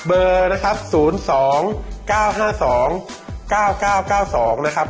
เบอร์นะครับ๐๒๙๕๒๙๙๙๙๒นะครับ